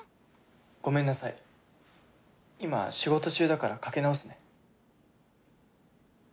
ごめんなさい今仕事中だからかけ直すね。